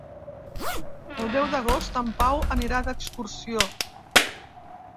El deu d'agost en Pau anirà d'excursió.